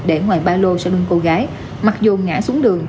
để ngoài ba lô sau đường cô gái mặc dù ngã xuống đường